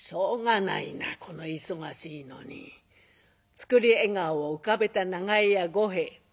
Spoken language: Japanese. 作り笑顔を浮かべた長江屋五兵衛。